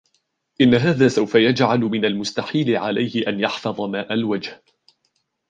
إن هذا سوف يجعل من المستحيل عليه أن يحفظ ماء الوجه.